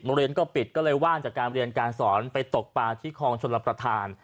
โรงเรียนก็ปิดก็เลยว่างจากการเรียนการสอนไปตกปลาที่คลองชนรับประทาน